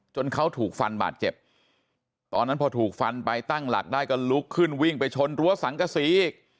เขาถูกฟันบาดเจ็บตอนนั้นพอถูกฟันไปตั้งหลักได้ก็ลุกขึ้นวิ่งไปชนรั้วสังกษีอีก